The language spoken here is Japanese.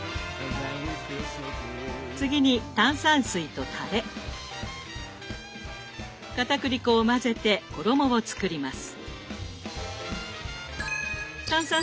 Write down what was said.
次に炭酸水とたれかたくり粉を混ぜて衣を作ります。